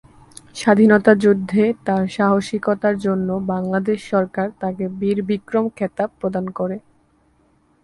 স্বাধীনতা যুদ্ধে তার সাহসিকতার জন্য বাংলাদেশ সরকার তাকে বীর বিক্রম খেতাব প্রদান করে।